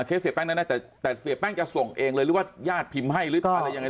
เสียแป้งแน่แต่เสียแป้งจะส่งเองเลยหรือว่าญาติพิมพ์ให้หรืออะไรยังไง